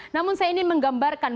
namun saya ini menggambarkan